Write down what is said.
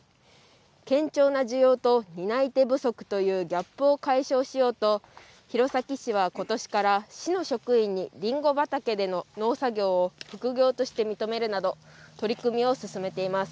堅調な需要と担い手不足というギャップを解消しようと、弘前市はことしから、市の職員にりんご畑での農作業を副業として認めるなど、取り組みを進めています。